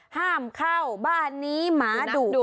ห้ามเข้าบ้านนี้หมาดุ